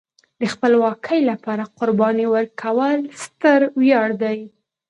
د خپلواکۍ لپاره قرباني ورکول ستر ویاړ دی.